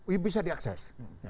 yang bisa diakses